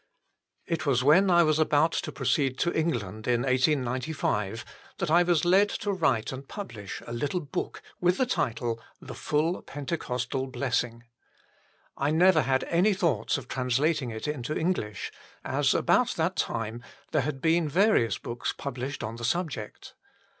It was when I was about to proceed to England in 1895 that I was led to write and vi PREFACE publish a little book with the title, The Full Pentecostal Blessing. I never had any thoughts of translating it into English, as about that time there had been various books published on the subject.